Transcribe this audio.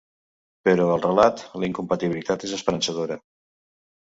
Però al relat la incompatibilitat és esperançadora.